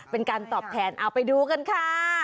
เป็นการตอบแทนเอาไปดูกันค่ะ